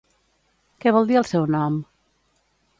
Què vol dir el seu nom?